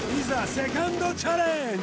セカンドチャレンジ